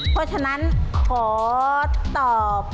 เพราะฉะนั้นขอตอบ